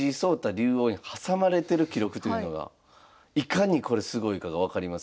竜王に挟まれてる記録というのがいかにこれすごいかが分かりますけども。